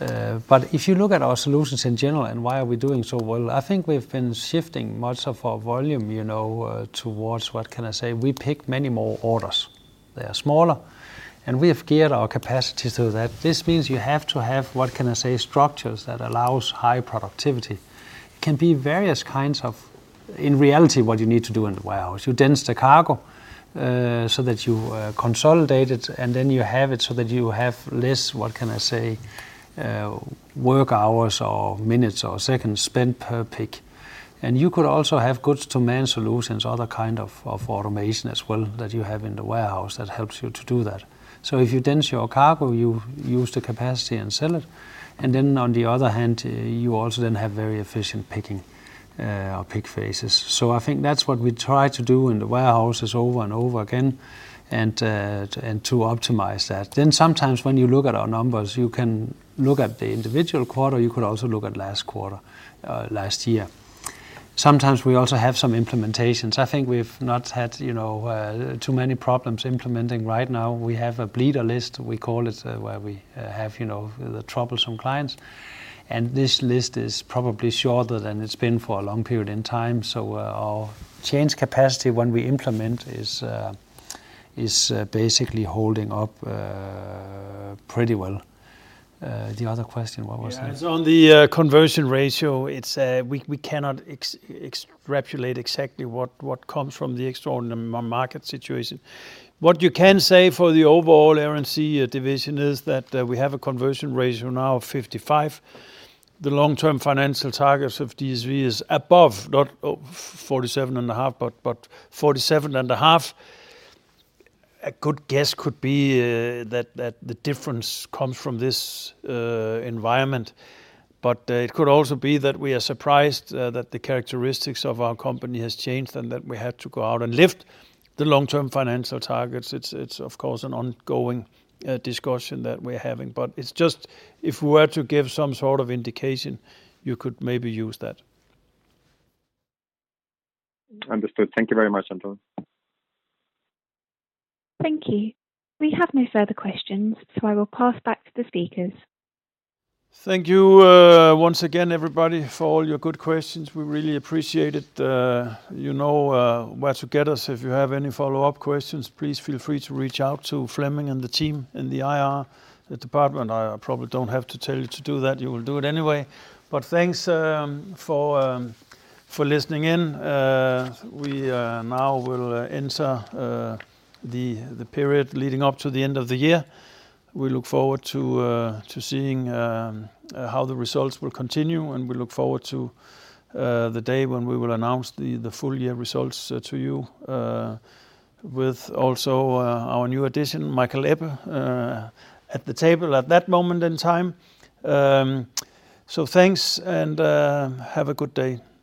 If you look at our Solutions in general and why we are doing so well, I think we've been shifting much of our volume, you know, towards what can I say. We pick many more orders. They are smaller, and we have geared our capacity to that. This means you have to have, what can I say, structures that allows high productivity. In reality, what you need to do in the warehouse, you dense the cargo so that you consolidate it, and then you have it so that you have less, what can I say, work hours or minutes or seconds spent per pick. You could also have goods to man solutions, other kind of automation as well that you have in the warehouse that helps you to do that. If you dense your cargo, you use the capacity and sell it. On the other hand, you also then have very efficient picking or pick faces. I think that's what we try to do in the warehouses over and over again and to optimize that. Sometimes when you look at our numbers, you can look at the individual quarter, you could also look at last quarter, last year. Sometimes we also have some implementations. I think we've not had, you know, too many problems implementing. Right now, we have a bleeder list, we call it, where we have, you know, the troublesome clients. This list is probably shorter than it's been for a long period in time. Our change capacity when we implement is basically holding up pretty well. The other question, what was that? Yeah. It's on the conversion ratio. It's we cannot extrapolate exactly what comes from the extraordinary market situation. What you can say for the overall Air & Sea division is that we have a conversion ratio now of 55. The long-term financial targets of DSV is above 47.5. A good guess could be that the difference comes from this environment. It could also be that we are surprised that the characteristics of our company has changed and that we had to go out and lift the long-term financial targets. It's of course an ongoing discussion that we're having. It's just if we were to give some sort of indication, you could maybe use that. Understood. Thank you very much, gentlemen. Thank you. We have no further questions, so I will pass back to the speakers. Thank you, once again, everybody, for all your good questions. We really appreciate it. You know where to get us. If you have any follow-up questions, please feel free to reach out to Flemming and the team in the IR department. I probably don't have to tell you to do that. You will do it anyway. Thanks for listening in. We now will enter the period leading up to the end of the year. We look forward to seeing how the results will continue, and we look forward to the day when we will announce the full year results to you with also our new addition, Michael Ebbe, at the table at that moment in time. Thanks, and have a good day.